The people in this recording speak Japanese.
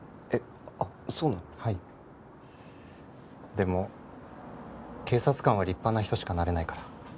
でも警察官は立派な人しかなれないから。